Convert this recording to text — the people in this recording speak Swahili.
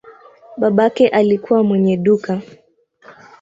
Babake alikuwa mwenye duka.